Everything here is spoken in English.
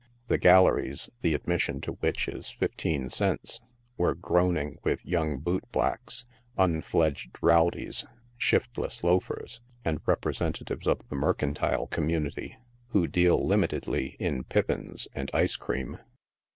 The galleries, the admission to which is fifteen cents, were groaning with young boot blacks, unfledged rowdies, shiftless loafers, and representatives of the mercantile community, who deal limitedly in pippins and ice cream.